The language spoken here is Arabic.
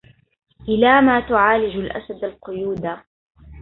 إلام تعالج الأسد القيودا